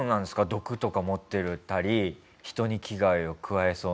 毒とか持ってたり人に危害を加えそうな爬虫類は。